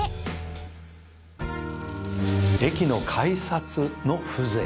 駅の改札の風情。